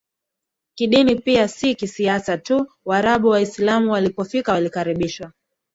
kidini pia si kisiasa tu Waarabu Waislamu walipofika walikaribishwa